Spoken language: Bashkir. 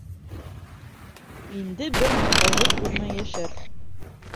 Инде бер мохтажлыҡ күрмәй йәшәр.